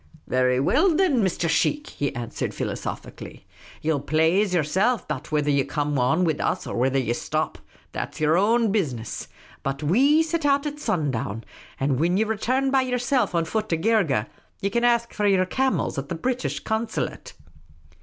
" Very well, thin, Mr. Sheikh," he answered, philosophically. Ye '11 plaze yerself about whether ye come on wid us or whether ye shtop. That 's j er own business. But zve set out at sun down ; and whin ye return by yerself on foot to Geergeh, ye can ask for yer camels at the British Consulate."